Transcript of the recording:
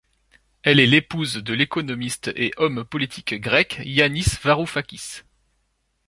Elle est l'épouse de l'économiste et homme politique grec Yánis Varoufákis.